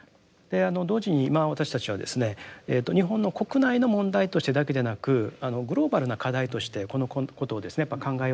同時に今私たちはですね日本の国内の問題としてだけでなくグローバルな課題としてこのことをやっぱ考えようとしてるんですが。